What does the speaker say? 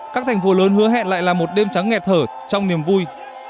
các thành phố lớn hứa hẹn lại là một đêm trắng nghẹt thở trong niềm vui